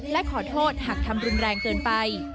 และขอโทษหากทำรุนแรงเกินไป